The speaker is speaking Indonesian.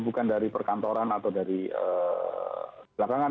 bukan dari perkantoran atau dari belakangan